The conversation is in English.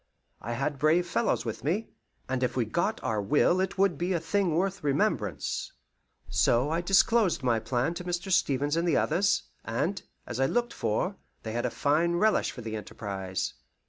I had brave fellows with me, and if we got our will it would be a thing worth remembrance. So I disclosed my plan to Mr. Stevens and the others, and, as I looked for, they had a fine relish for the enterprise.